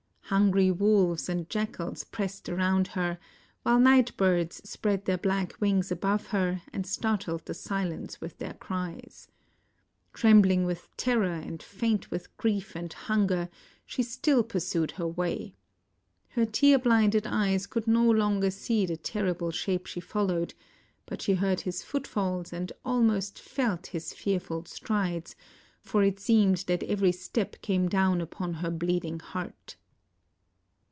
Hungry wolves and 21 INDIA jackals pressed around her, while night birds spread their black w ings above her and startled the silence with their cries. Trembhng with terror and faint with grief and hunger, she still pursued her way. Her tear blinded eyes could no longer see the terrible shape she followed, but she heard his footfalls and almost felt his fearful strides, for it seemed that every step came down upon her bleeding heart.